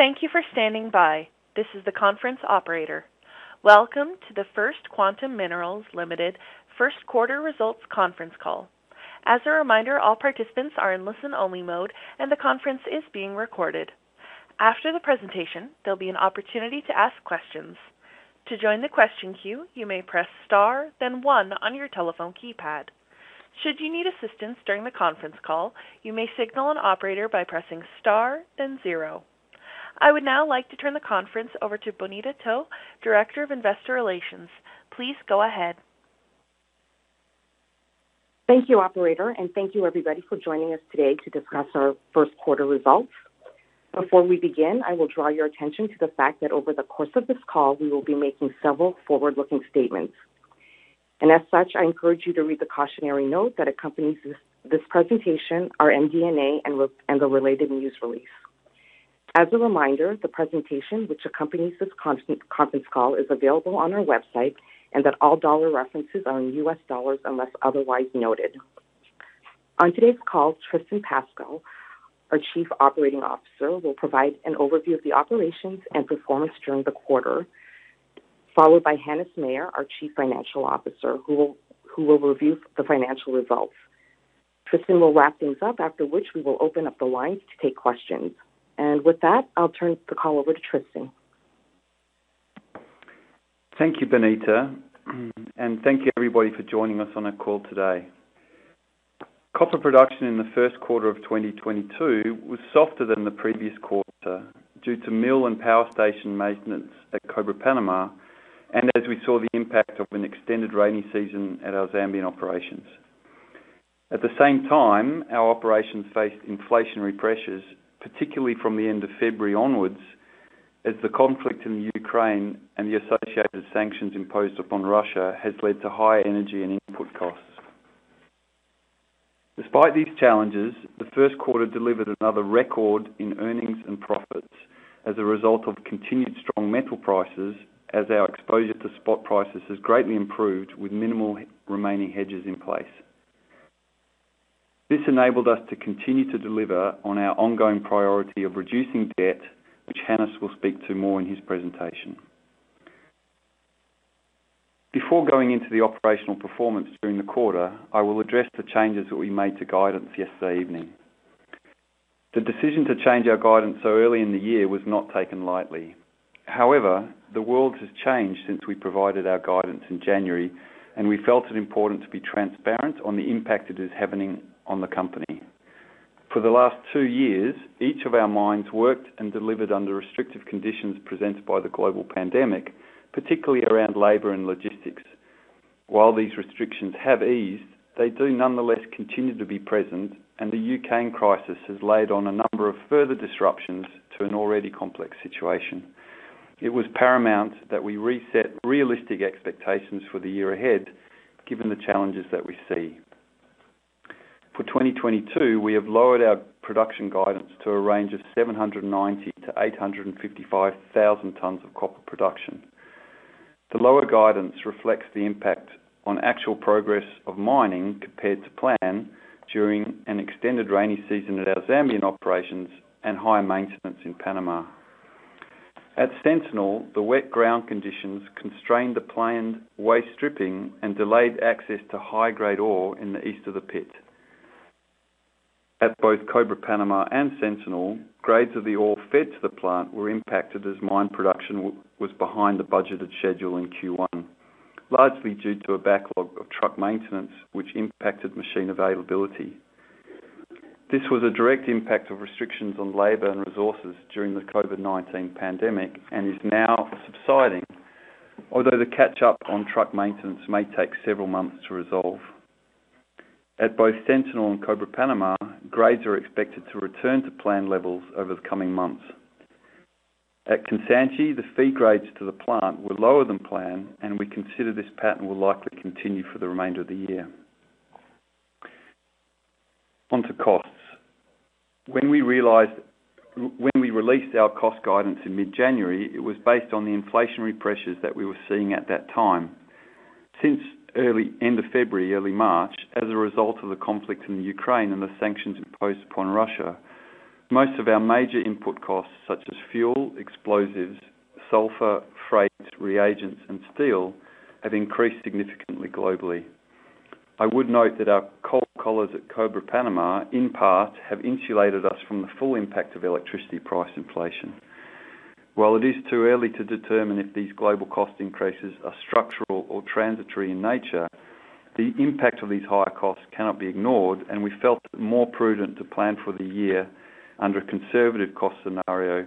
Thank you for standing by. This is the conference operator. Welcome to the First Quantum Minerals Ltd. first quarter results conference call. As a reminder, all participants are in listen-only mode, and the conference is being recorded. After the presentation, there'll be an opportunity to ask questions. To join the question queue, you may press Star, then one on your telephone keypad. Should you need assistance during the conference call, you may signal an operator by pressing Star, then zero. I would now like to turn the conference over to Bonita To, Director of Investor Relations. Please go ahead. Thank you, operator, and thank you everybody for joining us today to discuss our first quarter results. Before we begin, I will draw your attention to the fact that over the course of this call, we will be making several forward-looking statements. As such, I encourage you to read the cautionary note that accompanies this presentation, our MD&A, and the related news release. As a reminder, the presentation which accompanies this conference call is available on our website, and that all dollar references are in U.S. dollars, unless otherwise noted. On today's call, Tristan Pascall, our Chief Operating Officer, will provide an overview of the operations and performance during the quarter, followed by Hannes Meyer, our Chief Financial Officer, who will review the financial results. Tristan will wrap things up, after which we will open up the lines to take questions. With that, I'll turn the call over to Tristan. Thank you, Bonita, and thank you everybody for joining us on our call today. Copper production in the first quarter of 2022 was softer than the previous quarter due to mill and power station maintenance at Cobre Panama, and as we saw the impact of an extended rainy season at our Zambian operations. At the same time, our operations faced inflationary pressures, particularly from the end of February onwards, as the conflict in the Ukraine and the associated sanctions imposed upon Russia has led to higher energy and input costs. Despite these challenges, the first quarter delivered another record in earnings and profits as a result of continued strong metal prices as our exposure to spot prices has greatly improved with minimal remaining hedges in place. This enabled us to continue to deliver on our ongoing priority of reducing debt, which Hannes will speak to more in his presentation. Before going into the operational performance during the quarter, I will address the changes that we made to guidance yesterday evening. The decision to change our guidance so early in the year was not taken lightly. However, the world has changed since we provided our guidance in January, and we felt it important to be transparent on the impact it is having on the company. For the last two years, each of our mines worked and delivered under restrictive conditions presented by the global pandemic, particularly around labor and logistics. While these restrictions have eased, they do nonetheless continue to be present, and the Ukraine crisis has laid on a number of further disruptions to an already complex situation. It was paramount that we reset realistic expectations for the year ahead, given the challenges that we see. For 2022, we have lowered our production guidance to a range of 790,000-855,000 tons of copper production. The lower guidance reflects the impact on actual progress of mining compared to plan during an extended rainy season at our Zambian operations and higher maintenance in Panama. At Sentinel, the wet ground conditions constrained the planned waste stripping and delayed access to high-grade ore in the east of the pit. At both Cobre Panama and Sentinel, grades of the ore fed to the plant were impacted as mine production was behind the budgeted schedule in Q1, largely due to a backlog of truck maintenance, which impacted machine availability. This was a direct impact of restrictions on labor and resources during the COVID-19 pandemic and is now subsiding. Although the catch-up on truck maintenance may take several months to resolve. At both Sentinel and Cobre Panama, grades are expected to return to plan levels over the coming months. At Kansanshi, the feed grades to the plant were lower than planned, and we consider this pattern will likely continue for the remainder of the year. On to costs. When we released our cost guidance in mid-January, it was based on the inflationary pressures that we were seeing at that time. Since end of February, early March, as a result of the conflict in the Ukraine and the sanctions imposed upon Russia, most of our major input costs, such as fuel, explosives, sulfur, freight, reagents, and steel, have increased significantly globally. I would note that our coal collars at Cobre Panama, in part, have insulated us from the full impact of electricity price inflation. While it is too early to determine if these global cost increases are structural or transitory in nature, the impact of these higher costs cannot be ignored, and we felt it more prudent to plan for the year under a conservative cost scenario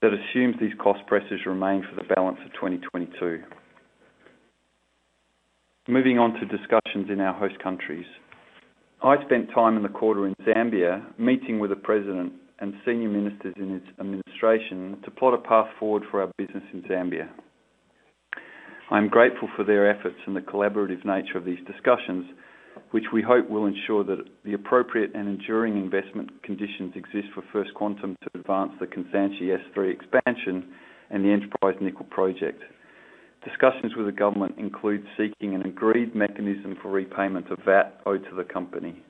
that assumes these cost pressures remain for the balance of 2022. Moving on to discussions in our host countries. I spent time in the quarter in Zambia, meeting with the president and senior ministers in its administration to plot a path forward for our business in Zambia. I'm grateful for their efforts and the collaborative nature of these discussions, which we hope will ensure that the appropriate and enduring investment conditions exist for First Quantum to advance the Kansanshi S3 expansion and the Enterprise Nickel project. Discussions with the government include seeking an agreed mechanism for repayment of VAT owed to the company.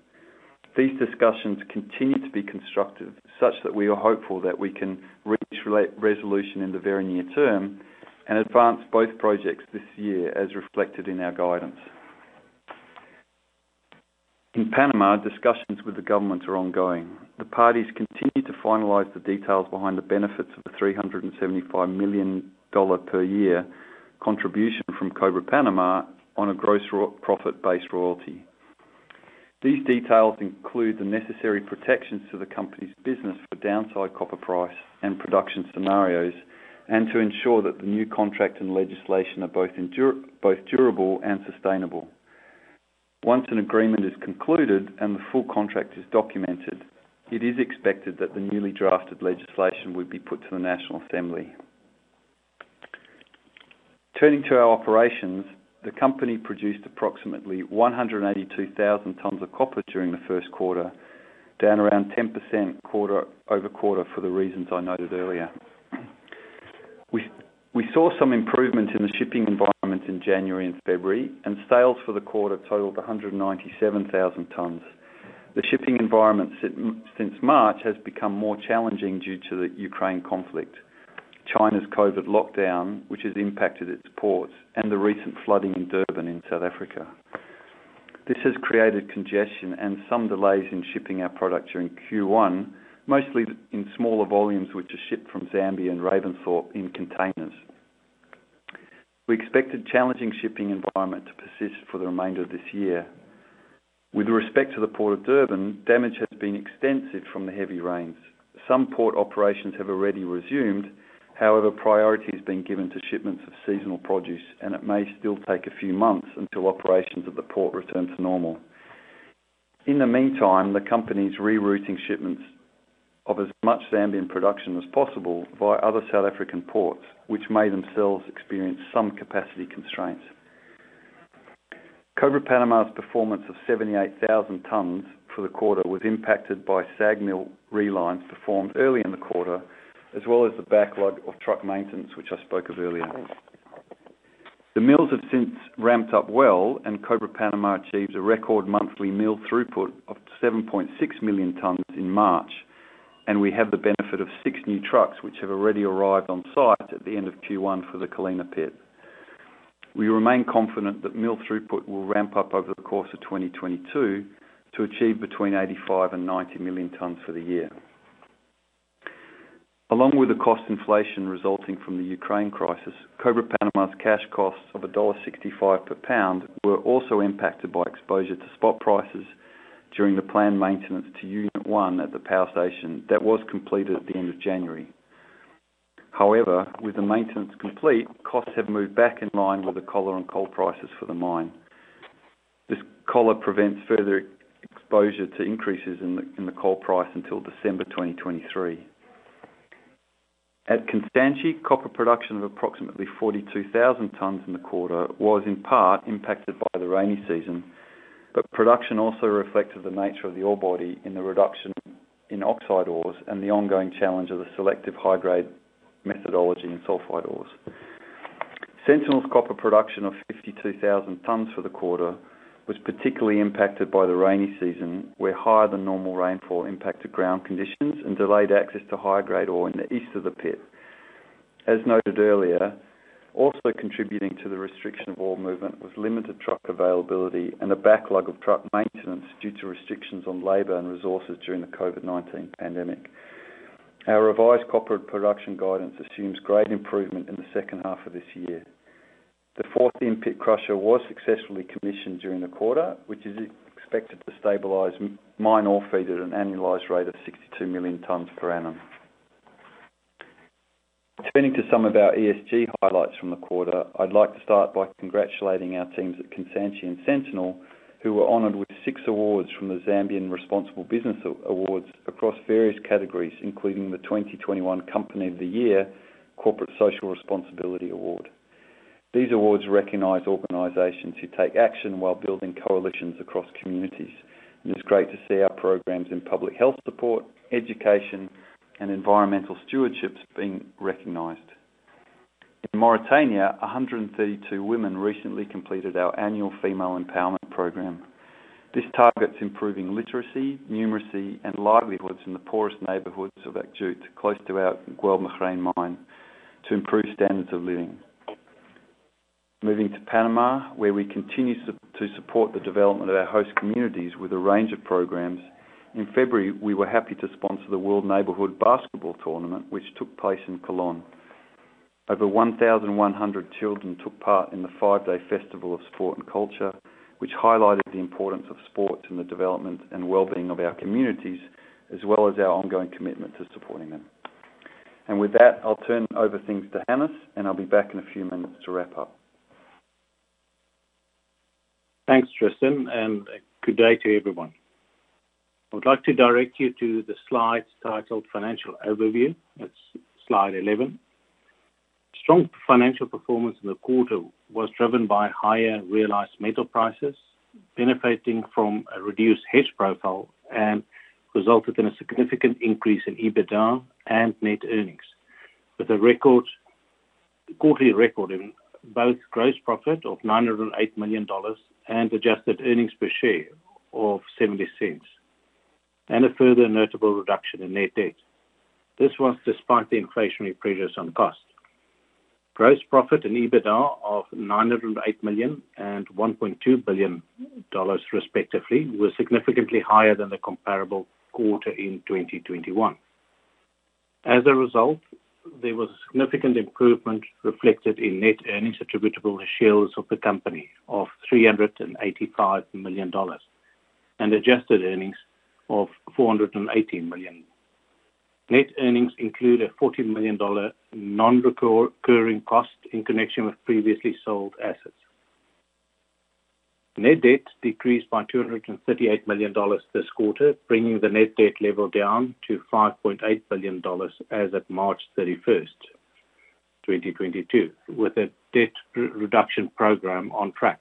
These discussions continue to be constructive, such that we are hopeful that we can reach resolution in the very near term and advance both projects this year as reflected in our guidance. In Panama, discussions with the government are ongoing. The parties continue to finalize the details behind the benefits of the $375 million per year contribution from Cobre Panama on a gross pre-profit-based royalty. These details include the necessary protections to the company's business for downside copper price and production scenarios, and to ensure that the new contract and legislation are both durable and sustainable. Once an agreement is concluded and the full contract is documented, it is expected that the newly drafted legislation would be put to the National Assembly. Turning to our operations, the company produced approximately 182,000 tons of copper during the first quarter, down around 10% quarter-over-quarter for the reasons I noted earlier. We saw some improvement in the shipping environment in January and February, and sales for the quarter totaled 197,000 tons. The shipping environment since March has become more challenging due to the Ukraine conflict, China's COVID lockdown, which has impacted its ports, and the recent flooding in Durban in South Africa. This has created congestion and some delays in shipping our products during Q1, mostly in smaller volumes, which are shipped from Zambia and Ravensthorpe in containers. We expected challenging shipping environment to persist for the remainder of this year. With respect to the Port of Durban, damage has been extensive from the heavy rains. Some port operations have already resumed. However, priority is being given to shipments of seasonal produce, and it may still take a few months until operations at the port return to normal. In the meantime, the company's rerouting shipments of as much Zambian production as possible via other South African ports, which may themselves experience some capacity constraints. Cobre Panama's performance of 78,000 tons for the quarter was impacted by SAG mill relines performed early in the quarter, as well as the backlog of truck maintenance, which I spoke of earlier. The mills have since ramped up well, and Cobre Panama achieves a record monthly mill throughput of 7.6 million tons in March, and we have the benefit of six new trucks, which have already arrived on site at the end of Q1 for the Colina pit. We remain confident that mill throughput will ramp up over the course of 2022 to achieve between 85 and 90 million tons for the year. Along with the cost inflation resulting from the Ukraine crisis, Cobre Panama's cash costs of $1.65 per pound were also impacted by exposure to spot prices during the planned maintenance to Unit 1 at the power station that was completed at the end of January. However, with the maintenance complete, costs have moved back in line with the collar and coal prices for the mine. This collar prevents further exposure to increases in the coal price until December 2023. At Kansanshi, copper production of approximately 42,000 tons in the quarter was in part impacted by the rainy season, but production also reflected the nature of the ore body in the reduction in oxide ores and the ongoing challenge of the selective high-grade methodology in sulfide ores. Sentinel's copper production of 52,000 tons for the quarter was particularly impacted by the rainy season, where higher than normal rainfall impacted ground conditions and delayed access to high-grade ore in the east of the pit. As noted earlier, also contributing to the restriction of ore movement was limited truck availability and a backlog of truck maintenance due to restrictions on labor and resources during the COVID-19 pandemic. Our revised copper production guidance assumes great improvement in the second half of this year. The fourth in-pit crusher was successfully commissioned during the quarter, which is expected to stabilize mine ore feed at an annualized rate of 62 million tons per annum. Turning to some of our ESG highlights from the quarter, I'd like to start by congratulating our teams at Kansanshi and Sentinel, who were honored with six awards from the Zambian Responsible Business Awards across various categories, including the 2021 Company of the Year Corporate Social Responsibility Award. These awards recognize organizations who take action while building coalitions across communities. It's great to see our programs in public health support, education, and environmental stewardships being recognized. In Mauritania, 132 women recently completed our annual female empowerment program. This targets improving literacy, numeracy, and livelihoods in the poorest neighborhoods of Akjoujt, close to our Guelb Moghrein mine to improve standards of living. Moving to Panama, where we continue to support the development of our host communities with a range of programs. In February, we were happy to sponsor the World Neighborhood Basketball Tournament, which took place in Colón. Over 1,100 children took part in the five-day festival of sport and culture, which highlighted the importance of sports in the development and well-being of our communities, as well as our ongoing commitment to supporting them. With that, I'll turn over things to Hannes, and I'll be back in a few minutes to wrap up. Thanks, Tristan, and good day to everyone. I would like to direct you to the slides titled Financial Overview. That's slide 11. Strong financial performance in the quarter was driven by higher realized metal prices. Benefiting from a reduced hedge profile and resulted in a significant increase in EBITDA and net earnings. With a quarterly record in both gross profit of $908 million and adjusted earnings per share of $0.70, and a further notable reduction in net debt. This was despite the inflationary pressures on cost. Gross profit and EBITDA of $908 million and $1.2 billion respectively, were significantly higher than the comparable quarter in 2021. As a result, there was significant improvement reflected in net earnings attributable to shares of the company of $385 million and adjusted earnings of $480 million. Net earnings include a $40 million non-recurring cost in connection with previously sold assets. Net debt decreased by $238 million this quarter, bringing the net debt level down to $5.8 billion as at March 31st, 2022, with a debt reduction program on track.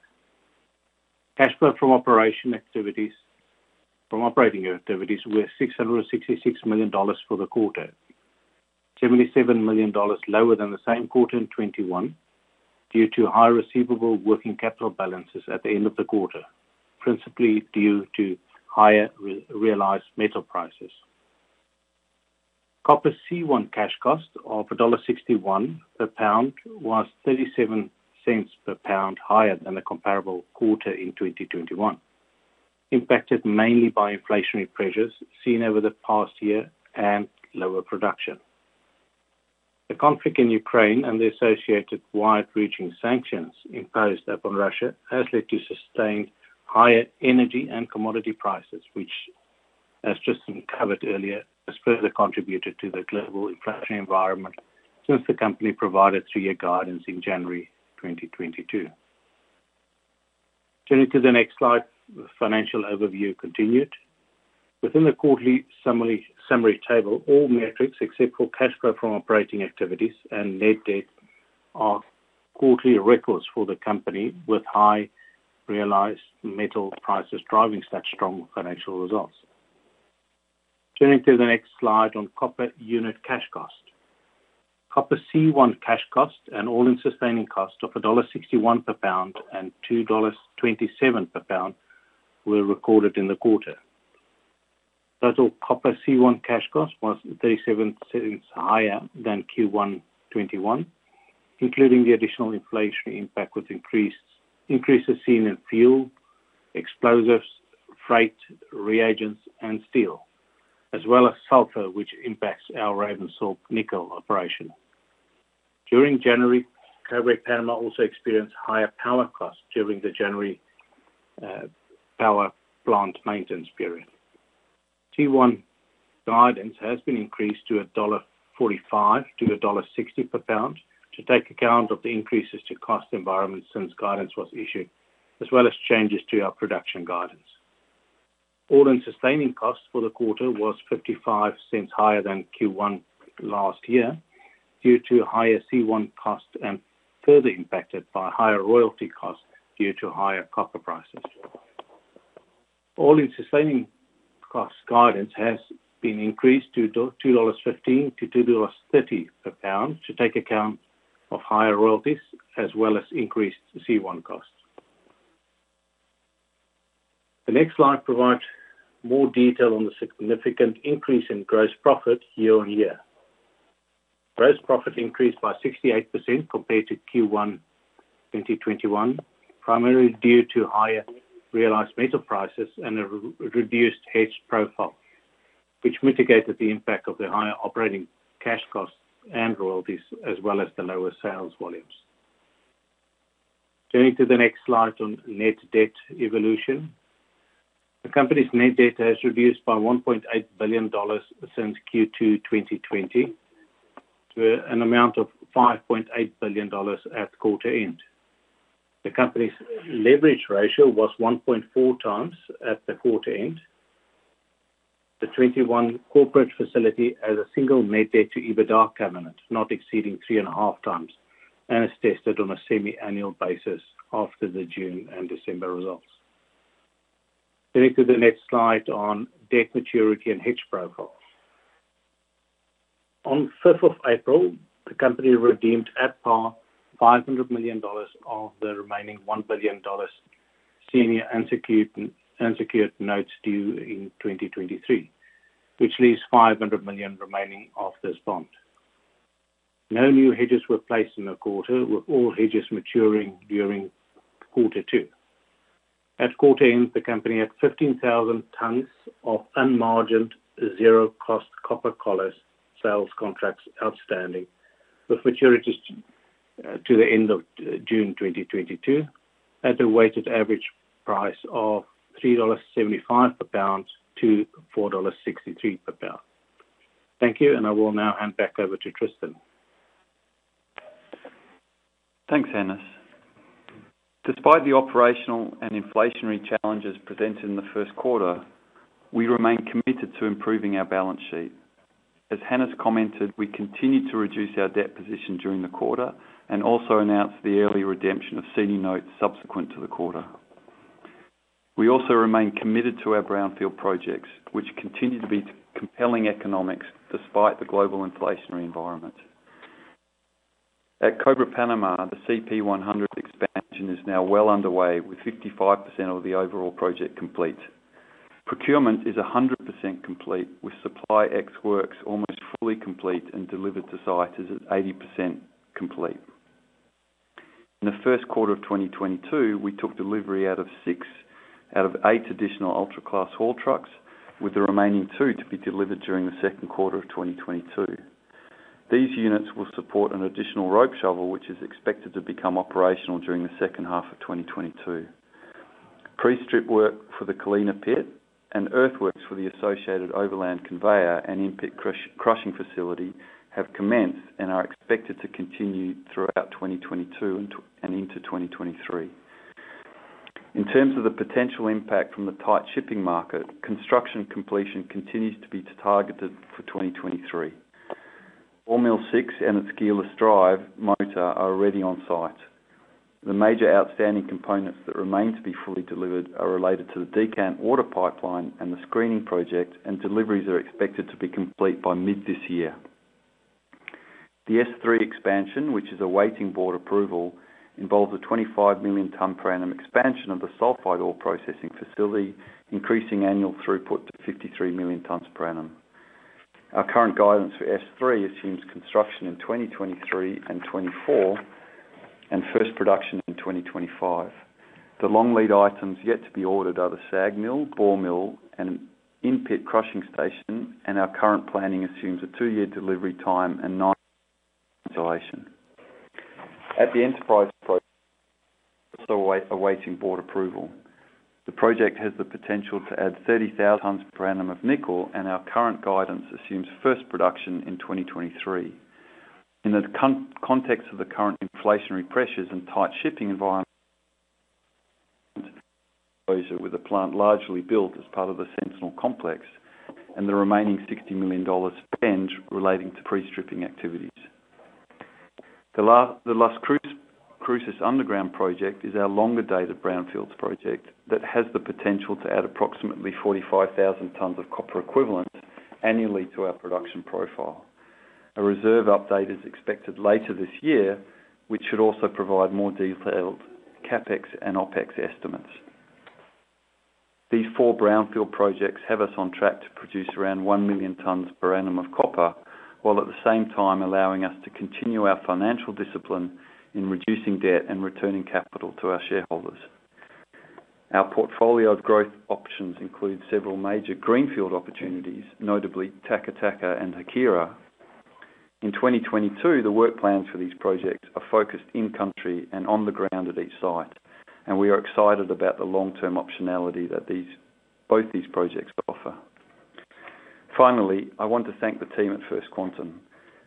Cash flow from operating activities were $666 million for the quarter, $77 million lower than the same quarter in 2021 due to high receivable working capital balances at the end of the quarter, principally due to higher realized metal prices. Copper C1 cash cost of $1.61 per pound was $37 cents per pound higher than the comparable quarter in 2021, impacted mainly by inflationary pressures seen over the past year and lower production. The conflict in Ukraine and the associated wide-reaching sanctions imposed upon Russia has led to sustained higher energy and commodity prices, which, as Tristan covered earlier, has further contributed to the global inflationary environment since the company provided three-year guidance in January 2022. Turning to the next slide, the financial overview continued. Within the quarterly summary table, all metrics except for cash flow from operating activities and net debt are quarterly records for the company, with high realized metal prices driving such strong financial results. Turning to the next slide on copper unit cash cost. Copper C1 cash cost and all-in sustaining cost of $1.61 per pound and $2.27 per pound were recorded in the quarter. Total copper C1 cash cost was $37 cents higher than Q1 2021, including the additional inflationary impact with increased increases seen in fuel, explosives, freight, reagents, and steel, as well as sulfur, which impacts our Ravensthorpe nickel operation. During January, Cobre Panama also experienced higher power costs during the January power plant maintenance period. Q1 guidance has been increased to $1.45-1.60 per pound to take account of the increases to cost environment since guidance was issued, as well as changes to our production guidance. All-in sustaining costs for the quarter was $55 cents higher than Q1 last year due to higher C1 costs and further impacted by higher royalty costs due to higher copper prices. All-in sustaining cost guidance has been increased to $2.15-2.30 per pound to take account of higher royalties as well as increased C1 costs. The next slide provides more detail on the significant increase in gross profit year-on-year. Gross profit increased by 68% compared to Q1 2021, primarily due to higher realized metal prices and a reduced hedge profile, which mitigated the impact of the higher operating cash costs and royalties, as well as the lower sales volumes. Turning to the next slide on net debt evolution. The company's net debt has reduced by $1.8 billion since Q2 2020 to an amount of $5.8 billion at quarter end. The company's leverage ratio was 1.4x at the quarter end. The 2021 corporate facility has a single net debt to EBITDA covenant, not exceeding 3.5x, and is tested on a semi-annual basis after the June and December results. Turning to the next slide on debt maturity and hedge profile. On April 5th, the company redeemed at par $500 million of the remaining $1 billion senior unsecured notes due in 2023, which leaves $500 million remaining of this bond. No new hedges were placed in the quarter, with all hedges maturing during Q2. At quarter end, the company had 15,000 tons of unmargined zero cost copper collars sales contracts outstanding, with maturities to the end of June 2022 at a weighted average price of $3.75 per pound to $4.63 per pound. Thank you, and I will now hand back over to Tristan. Thanks, Hannes. Despite the operational and inflationary challenges presented in the first quarter, we remain committed to improving our balance sheet. As Hannes commented, we continued to reduce our debt position during the quarter and also announced the early redemption of senior notes subsequent to the quarter. We also remain committed to our brownfield projects, which continue to be compelling economics despite the global inflationary environment. At Cobre Panama, the CP100 expansion is now well underway, with 55% of the overall project complete. Procurement is 100% complete, with supply ex works almost fully complete and delivered to site is at 80% complete. In the first quarter of 2022, we took delivery out of six out of eight additional ultra-class haul trucks, with the remaining two to be delivered during the second quarter of 2022. These units will support an additional rope shovel, which is expected to become operational during the second half of 2022. Pre-strip work for the Colina pit and earthworks for the associated overland conveyor and in-pit crush, crushing facility have commenced and are expected to continue throughout 2022 and into 2023. In terms of the potential impact from the tight shipping market, construction completion continues to be targeted for 2023. Ball Mill 6 and its gearless drive motor are already on site. The major outstanding components that remain to be fully delivered are related to the decant order pipeline and the screening project, and deliveries are expected to be complete by mid this year. The S3 expansion, which is awaiting board approval, involves a 25 million ton per annum expansion of the sulfide ore processing facility, increasing annual throughput to 53 million tons per annum. Our current guidance for S3 assumes construction in 2023 and 2024, and first production in 2025. The long lead items yet to be ordered are the SAG mill, ball mill, and in-pit crushing station, and our current planning assumes a two year delivery time and nine month installation. At the Enterprise, still awaiting board approval. The project has the potential to add 30,000 tons per annum of nickel, and our current guidance assumes first production in 2023. In the context of the current inflationary pressures and tight shipping environment with the plant largely built as part of the Sentinel Complex and the remaining $60 million spent relating to pre-stripping activities. The Las Cruces underground project is our longer-dated brownfields project that has the potential to add approximately 45,000 tons of copper equivalent annually to our production profile. A reserve update is expected later this year, which should also provide more detailed CapEx and OpEx estimates. These four brownfield projects have us on track to produce around 1 million tons per annum of copper, while at the same time allowing us to continue our financial discipline in reducing debt and returning capital to our shareholders. Our portfolio of growth options include several major greenfield opportunities, notably Taca Taca and Haquira. In 2022, the work plans for these projects are focused in country and on the ground at each site, and we are excited about the long-term optionality that these, both these projects offer. Finally, I want to thank the team at First Quantum.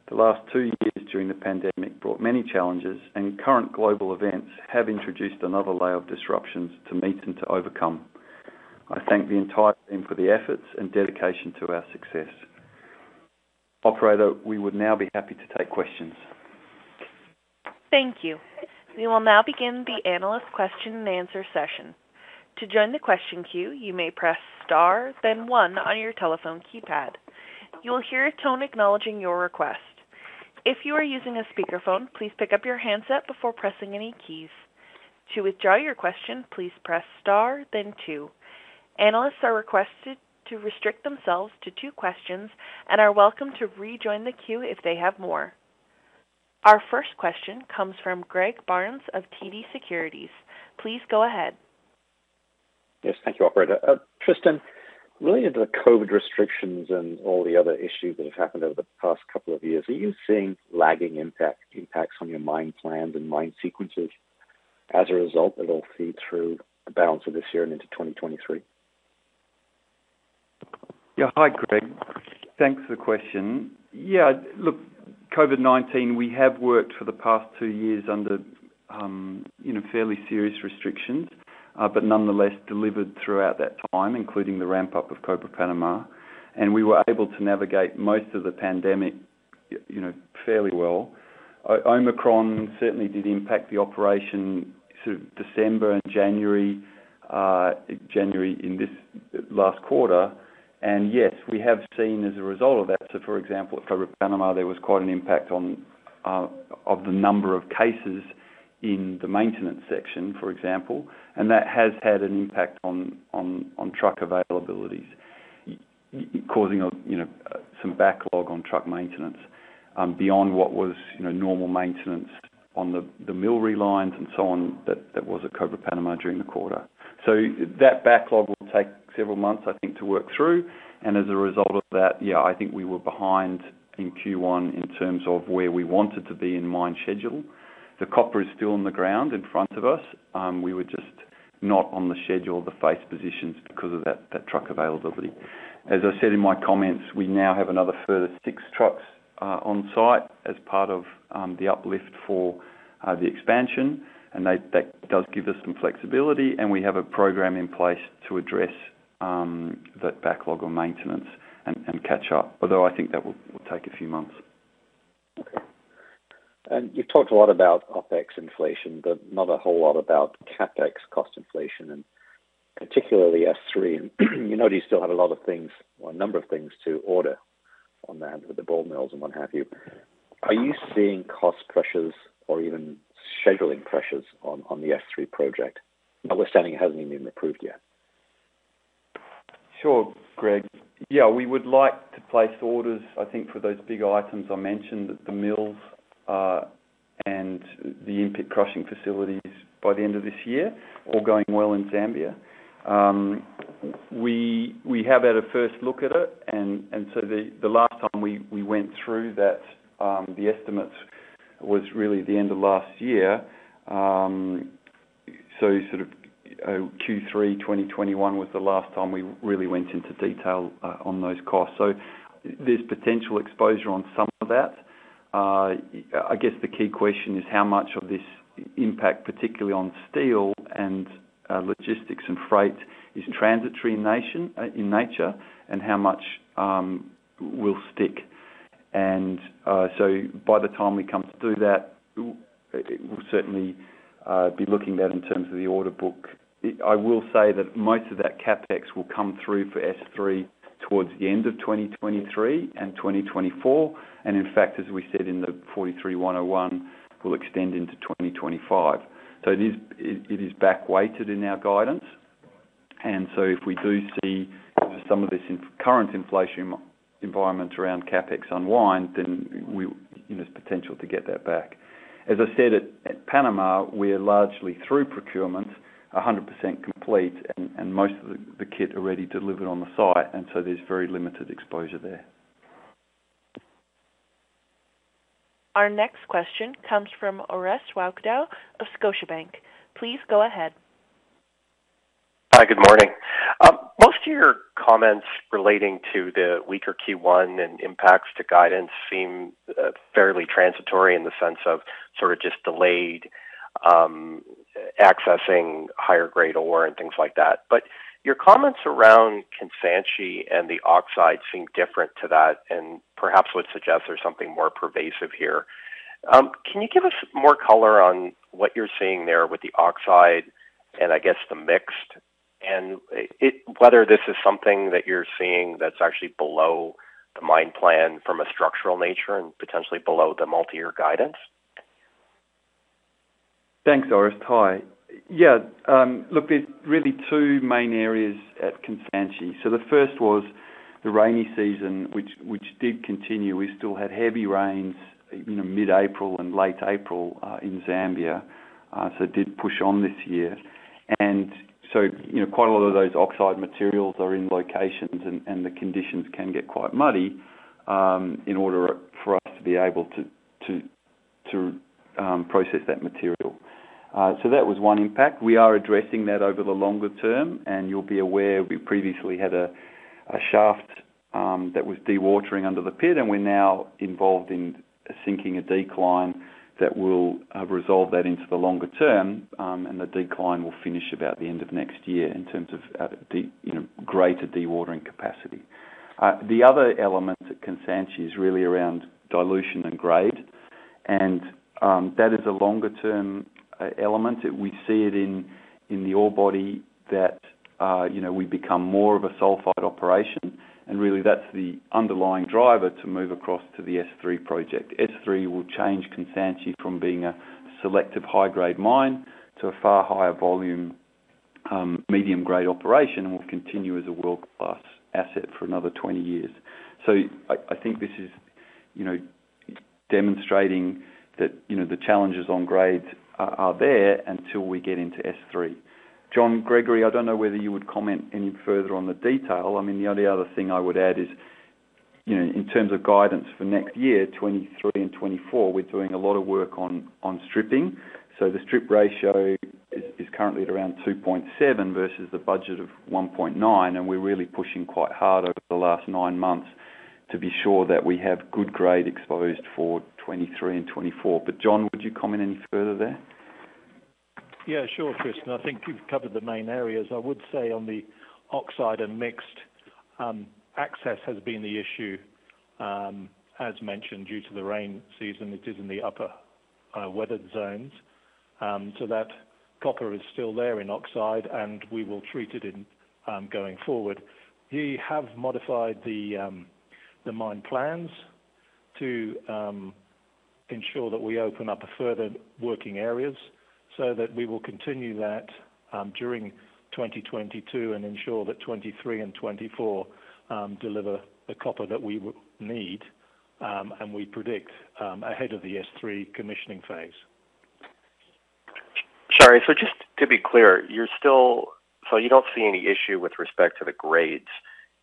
The last two years during the pandemic brought many challenges, and current global events have introduced another layer of disruptions to meet and to overcome. I thank the entire team for the efforts and dedication to our success. Operator, we would now be happy to take questions. Thank you. We will now begin the analyst question and answer session. To join the question queue, you may press star then one on your telephone keypad. You will hear a tone acknowledging your request. If you are using a speakerphone, please pick up your handset before pressing any keys. To withdraw your question, please press star then two. Analysts are requested to restrict themselves to two questions and are welcome to rejoin the queue if they have more. Our first question comes from Greg Barnes of TD Securities. Please go ahead. Yes, thank you, operator. Tristan, related to the COVID restrictions and all the other issues that have happened over the past couple of years, are you seeing lagging impacts on your mine plans and mine sequences as a result that will feed through the balance of this year and into 2023? Yeah. Hi, Greg. Thanks for the question. Yeah, look, COVID-19, we have worked for the past two years under, you know, fairly serious restrictions, but nonetheless delivered throughout that time, including the ramp-up of Cobre Panama. We were able to navigate most of the pandemic, you know, fairly well. Omicron certainly did impact the operation sort of December and January in this last quarter. Yes, we have seen as a result of that, so for example, at Cobre Panama, there was quite an impact on of the number of cases in the maintenance section, for example. That has had an impact on truck availabilities, causing a, you know, some backlog on truck maintenance, beyond what was, you know, normal maintenance on the mill relines and so on that was at Cobre Panama during the quarter. That backlog will take several months, I think, to work through. As a result of that, yeah, I think we were behind in Q1 in terms of where we wanted to be in mine schedule. The copper is still on the ground in front of us. We were just not on the schedule of the face positions because of that truck availability. As I said in my comments, we now have another further six trucks on site as part of the uplift for the expansion. That does give us some flexibility, and we have a program in place to address that backlog of maintenance and catch up. Although I think that will take a few months. Okay. You've talked a lot about OpEx inflation, but not a whole lot about CapEx cost inflation, and particularly S3. You know you still have a lot of things or a number of things to order on that with the ball mills and what have you. Are you seeing cost pressures or even scheduling pressures on the S3 project? Notwithstanding it hasn't even been approved yet. Sure, Greg. Yeah, we would like to place orders, I think, for those big items I mentioned, the mills, and the input crushing facilities by the end of this year, all going well in Zambia. We have had a first look at it. The last time we went through that, the estimates was really the end of last year. Sort of, Q3 2021 was the last time we really went into detail on those costs. There's potential exposure on some of that. I guess the key question is how much of this impact, particularly on steel and logistics and freight, is transitory in nature and how much will stick. By the time we come to do that, we'll certainly be looking at in terms of the order book. I will say that most of that CapEx will come through for S3 towards the end of 2023 and 2024. In fact, as we said in the 43-101, will extend into 2025. It is back weighted in our guidance. If we do see some of this current inflation environment around CapEx unwind, then you know, there's potential to get that back. As I said, at Panama, we're largely through procurement, 100% complete, and most of the kit already delivered on the site, and so there's very limited exposure there. Our next question comes from Orest Wowkodaw of Scotiabank. Please go ahead. Hi, good morning. Most of your comments relating to the weaker Q1 and impacts to guidance seem fairly transitory in the sense of sort of just delayed accessing higher grade ore and things like that. Your comments around Kansanshi and the oxide seem different to that and perhaps would suggest there's something more pervasive here. Can you give us more color on what you're seeing there with the oxide and I guess the mixed, and whether this is something that you're seeing that's actually below the mine plan from a structural nature and potentially below the multi-year guidance? Thanks, Orest. Hi. Yeah. Look, there's really two main areas at Kansanshi. The first was the rainy season, which did continue. We still had heavy rains, you know, mid-April and late April in Zambia, so it did push on this year. You know, quite a lot of those oxide materials are in locations and the conditions can get quite muddy in order for us to be able to to process that material. So that was one impact. We are addressing that over the longer term, and you'll be aware we previously had a shaft that was dewatering under the pit, and we're now involved in sinking a decline that will resolve that into the longer term, and the decline will finish about the end of next year in terms of greater dewatering capacity. The other element at Kansanshi is really around dilution and grade. That is a longer-term element. We see it in the ore body that we become more of a sulfide operation. Really that's the underlying driver to move across to the S3 project. S3 will change Kansanshi from being a selective high-grade mine to a far higher volume medium-grade operation, and will continue as a world-class asset for another 20 years. I think this is, you know, demonstrating that, you know, the challenges on grades are there until we get into S3. John Gregory, I don't know whether you would comment any further on the detail. I mean, the only other thing I would add is, you know, in terms of guidance for next year, 2023 and 2024, we're doing a lot of work on stripping. The strip ratio is currently at around 2.7 versus the budget of 1.9, and we're really pushing quite hard over the last nine months to be sure that we have good grade exposed for 2023 and 2024. John, would you comment any further there? Yeah, sure, Tris. I think you've covered the main areas. I would say on the oxide and mixed, access has been the issue, as mentioned, due to the rainy season. It is in the upper, weathered zones. That copper is still there in oxide, and we will treat it going forward. We have modified the mine plans to ensure that we open up further working areas so that we will continue that during 2022 and ensure that 2023 and 2024 deliver the copper that we need, and we predict ahead of the S3 commissioning phase. Sorry. Just to be clear, you don't see any issue with respect to the grades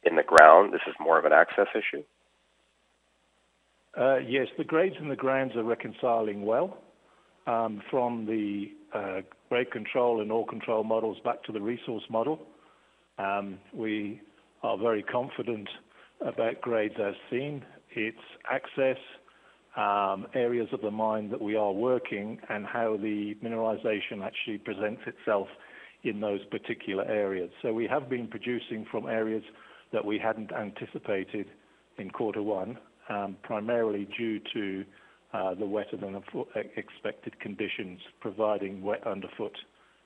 in the ground? This is more of an access issue? Yes. The grades in the ground are reconciling well, from the grade control and ore control models back to the resource model. We are very confident about grades as seen. It's access to areas of the mine that we are working and how the mineralization actually presents itself in those particular areas. We have been producing from areas that we hadn't anticipated in quarter one, primarily due to the wetter than expected conditions, providing wet underfoot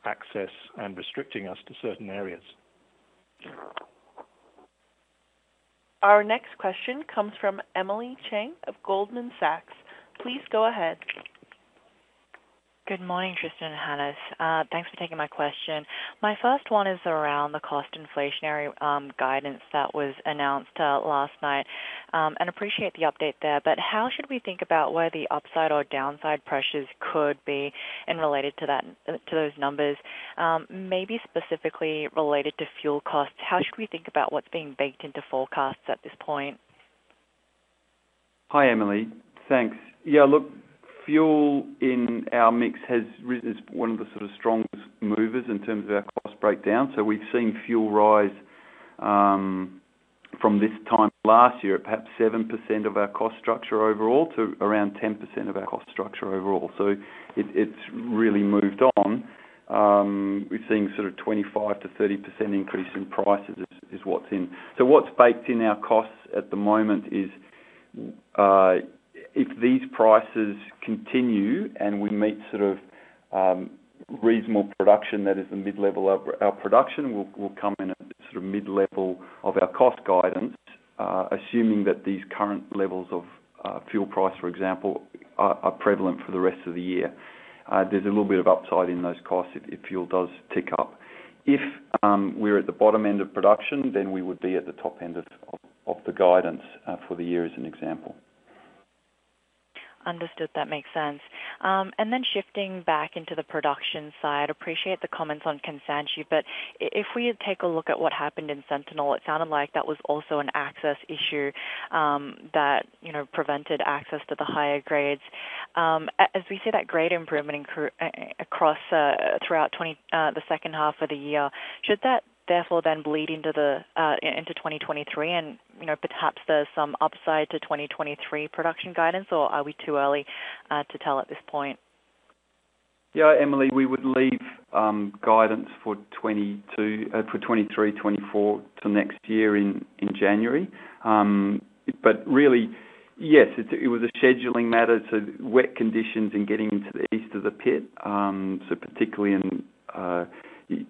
access and restricting us to certain areas. Our next question comes from Emily Chieng of Goldman Sachs. Please go ahead. Good morning, Tristan and Hannes. Thanks for taking my question. My first one is around the cost inflationary guidance that was announced last night. Appreciate the update there. How should we think about where the upside or downside pressures could be and related to that to those numbers? Maybe specifically related to fuel costs, how should we think about what's being baked into forecasts at this point? Hi, Emily. Thanks. Yeah, look, fuel in our mix has risen as one of the sort of strongest movers in terms of our cost breakdown. We've seen fuel rise from this time last year at perhaps 7% of our cost structure overall to around 10% of our cost structure overall. It's really moved on. We're seeing sort of 25%-30% increase in prices is what's in. What's baked in our costs at the moment is if these prices continue and we meet sort of reasonable production, that is the mid-level of our production, we'll come in at the sort of mid-level of our cost guidance assuming that these current levels of fuel price, for example, are prevalent for the rest of the year. There's a little bit of upside in those costs if fuel does tick up. If we're at the bottom end of production, then we would be at the top end of the guidance for the year as an example. Understood. That makes sense. Shifting back into the production side. Appreciate the comments on Kansanshi. If we take a look at what happened in Sentinel, it sounded like that was also an access issue that you know prevented access to the higher grades. As we see that grade improvement increasing across throughout the second half of the year, should that therefore bleed into 2023 and you know perhaps there's some upside to 2023 production guidance, or are we too early to tell at this point? Yeah, Emily, we would leave guidance for 2023, 2024 to next year in January. Really, yes, it was a scheduling matter due to wet conditions in getting into the east of the pit. Particularly,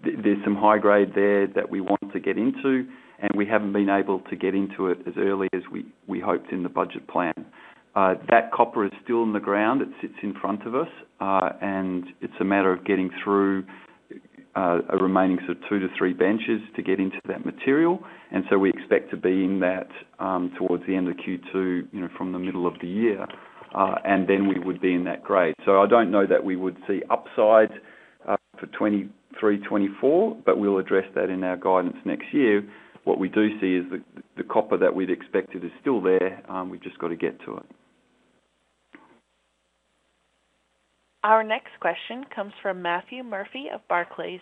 there's some high grade there that we want to get into, and we haven't been able to get into it as early as we hoped in the budget plan. That copper is still in the ground. It sits in front of us. It's a matter of getting through a remaining sort of two to three benches to get into that material. We expect to be in that towards the end of Q2, you know, from the middle of the year, and then we would be in that grade. I don't know that we would see upside for 2023, 2024, but we'll address that in our guidance next year. What we do see is the copper that we'd expected is still there, we've just got to get to it. Our next question comes from Matthew Murphy of Barclays.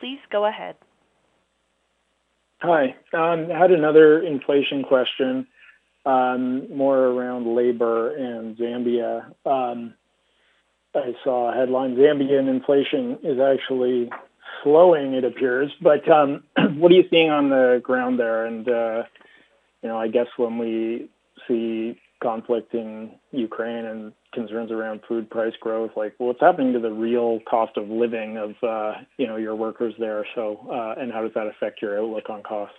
Please go ahead. Hi. Had another inflation question, more around labor in Zambia. I saw a headline, Zambian inflation is actually slowing, it appears. What are you seeing on the ground there? You know, I guess when we see conflict in Ukraine and concerns around food price growth, like what's happening to the real cost of living of, you know, your workers there? How does that affect your outlook on costs?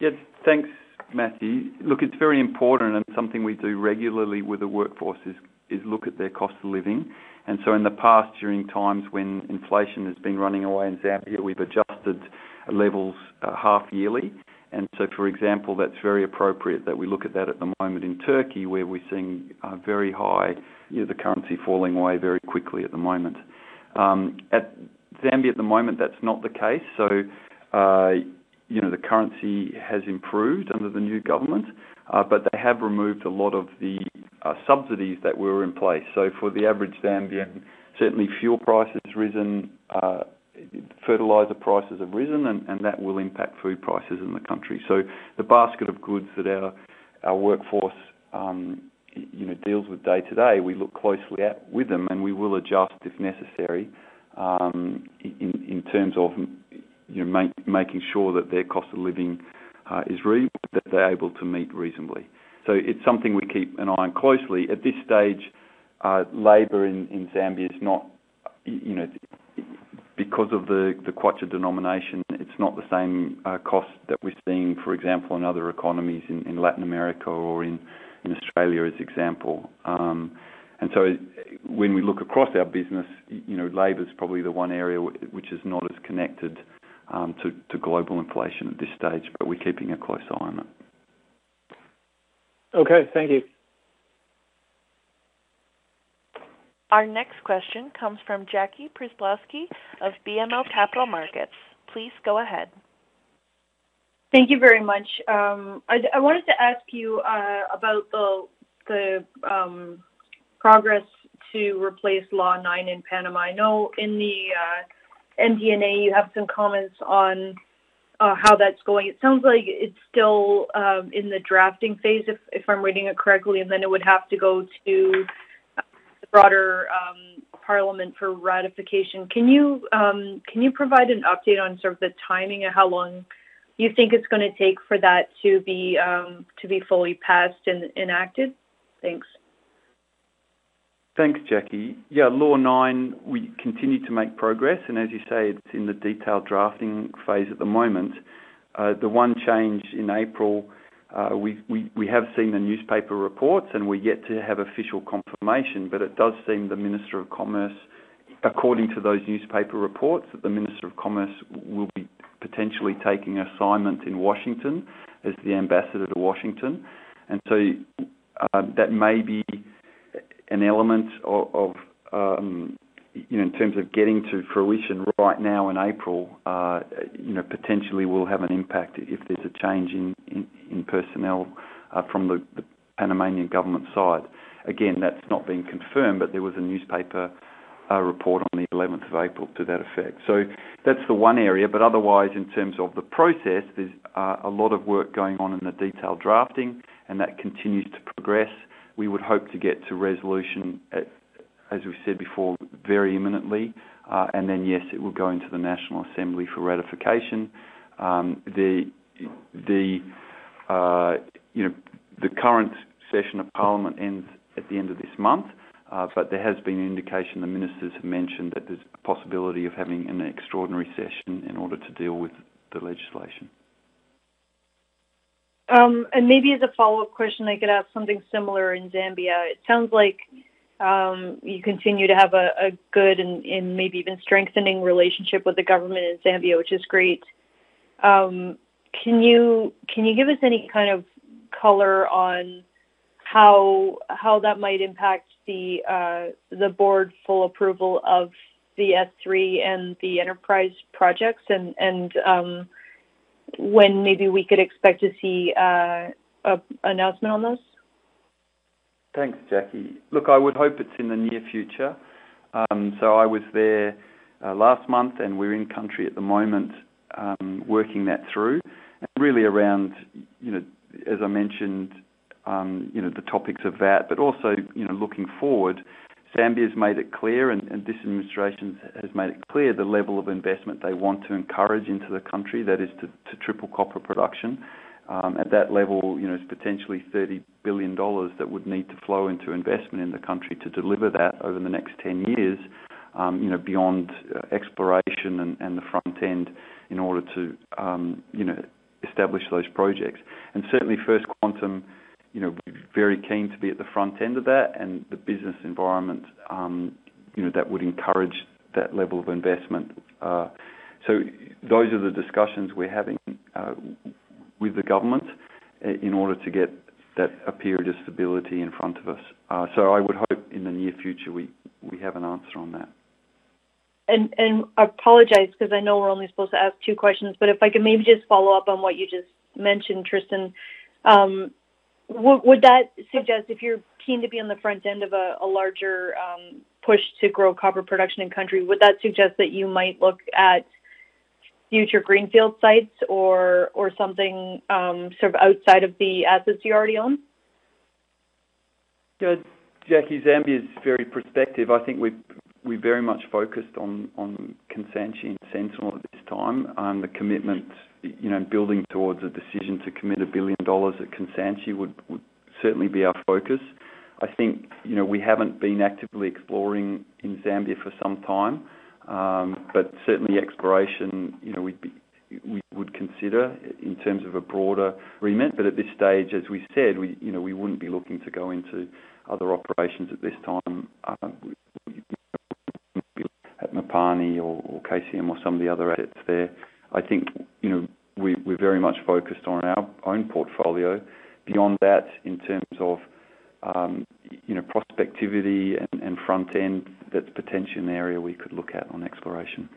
Yeah. Thanks, Matthew. Look, it's very important and something we do regularly with the workforce is look at their cost of living. In the past, during times when inflation has been running away in Zambia, we've adjusted levels half yearly. For example, that's very appropriate that we look at that at the moment in Turkey, where we're seeing very high, you know, the currency falling away very quickly at the moment. In Zambia at the moment, that's not the case. You know, the currency has improved under the new government, but they have removed a lot of the subsidies that were in place. For the average Zambian, certainly fuel price has risen, fertilizer prices have risen and that will impact food prices in the country. The basket of goods that our workforce, you know, deals with day to day, we look closely at with them, and we will adjust if necessary, in terms of, you know, making sure that their cost of living is that they're able to meet reasonably. It's something we keep an eye on closely. At this stage, labor in Zambia is not, you know, because of the kwacha denomination, it's not the same cost that we're seeing, for example, in other economies in Latin America or in Australia, for example. When we look across our business, you know, labor is probably the one area which is not as connected to global inflation at this stage, but we're keeping a close eye on it. Okay. Thank you. Our next question comes from Jackie Przybylowski of BMO Capital Markets. Please go ahead. Thank you very much. I wanted to ask you about the progress to replace Law 9 in Panama. I know in the MD&A, you have some comments on how that's going. It sounds like it's still in the drafting phase if I'm reading it correctly, and then it would have to go to the broader parliament for ratification. Can you provide an update on sort of the timing and how long you think it's gonna take for that to be fully passed and enacted? Thanks. Thanks, Jackie. Yeah, Law nine, we continue to make progress, and as you say, it's in the detailed drafting phase at the moment. The one change in April, we have seen the newspaper reports and we're yet to have official confirmation, but it does seem the minister of commerce, according to those newspaper reports, that the minister of commerce will be potentially taking assignment in Washington as the ambassador to Washington. That may be an element of, you know, in terms of getting to fruition right now in April, you know, potentially will have an impact if there's a change in personnel from the Panamanian government side. Again, that's not been confirmed, but there was a newspaper report on the eleventh of April to that effect. That's the one area. Otherwise, in terms of the process, there's a lot of work going on in the detailed drafting, and that continues to progress. We would hope to get to resolution, as we've said before, very imminently. Yes, it will go into the National Assembly for ratification. You know, the current session of Parliament ends at the end of this month, but there has been an indication the ministers have mentioned that there's a possibility of having an extraordinary session in order to deal with the legislation. Maybe as a follow-up question, I could ask something similar in Zambia. It sounds like you continue to have a good and maybe even strengthening relationship with the government in Zambia, which is great. Can you give us any kind of color on how that might impact the board full approval of the S3 and the enterprise projects and when maybe we could expect to see an announcement on this? Thanks, Jackie. Look, I would hope it's in the near future. I was there last month, and we're in country at the moment, working that through. Really around, you know, as I mentioned, you know, the topics of that, but also, you know, looking forward, Zambia's made it clear and this administration has made it clear the level of investment they want to encourage into the country, that is to triple copper production. At that level, you know, it's potentially $30 billion that would need to flow into investment in the country to deliver that over the next 10 years, you know, beyond exploration and the front end in order to establish those projects. Certainly First Quantum, you know, very keen to be at the front end of that and the business environment, you know, that would encourage that level of investment. Those are the discussions we're having with the government in order to get that, a period of stability in front of us. I would hope in the near future we have an answer on that. I apologize because I know we're only supposed to ask two questions, but if I could maybe just follow up on what you just mentioned, Tristan. Would that suggest if you're keen to be on the front end of a larger push to grow copper production in country, would that suggest that you might look at future greenfield sites or something sort of outside of the assets you already own? Look, Jackie, Zambia is very prospective. I think we're very much focused on Kansanshi and Sentinel at this time. The commitment, you know, building towards a decision to commit $1 billion at Kansanshi would certainly be our focus. I think, you know, we haven't been actively exploring in Zambia for some time. Certainly exploration, you know, we would consider in terms of a broader remit. At this stage, as we said, you know, we wouldn't be looking to go into other operations at this time, at Mopani or KCM or some of the other assets there. I think, you know, we're very much focused on our own portfolio. Beyond that, in terms of, you know, prospectivity and frontier, that's potentially an area we could look at in exploration.